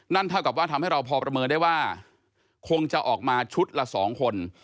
เท่ากับว่าทำให้เราพอประเมินได้ว่าคงจะออกมาชุดละ๒คน